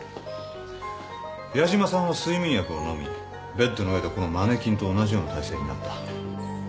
矢島さんは睡眠薬を飲みベッドの上でこのマネキンと同じような体勢になった。